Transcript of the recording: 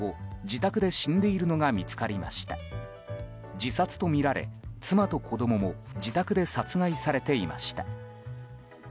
自殺とみられ、妻と子供も自宅で殺害されていました。